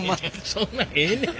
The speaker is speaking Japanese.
そんなんええねん。